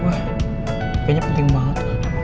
kayaknya penting banget